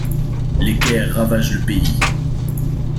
Les guerres ravagent le pays.